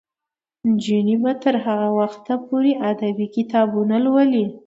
نجونې به تر هغه وخته پورې ادبي کتابونه لولي.